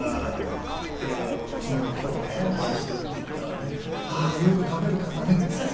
いやうちのも今日ねお会いするって言ったらね「ああーよく食べる方ね」って言って。